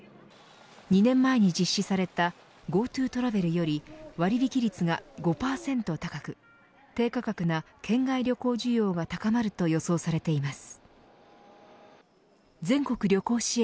２年前に実施されたＧｏＴｏトラベルより割引率が５％高く低価格な県外旅行需要が高まると予想されています。